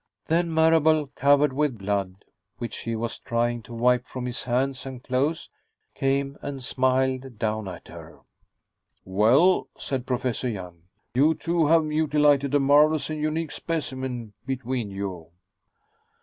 Then, Marable, covered with blood, which he was trying to wipe from his hands and clothes, came and smiled down at her. "Well," said Professor Young, "you two have mutilated a marvelous and unique specimen between you."